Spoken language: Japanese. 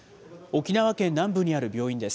沖縄県南部にある病院です。